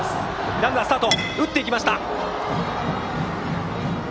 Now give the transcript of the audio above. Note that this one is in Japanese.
ランナー、スタート。